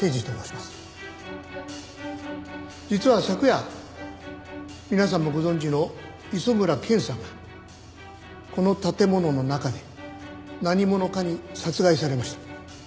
実は昨夜皆さんもご存じの磯村健さんがこの建物の中で何者かに殺害されました。